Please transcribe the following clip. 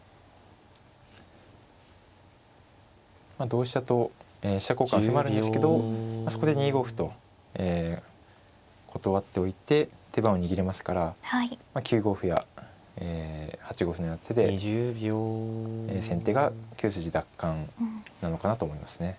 同飛車と飛車交換を迫るんですけどそこで２五歩と断っておいて手番を握れますから９五歩や８五歩のような手で先手が９筋奪還なのかなと思いますね。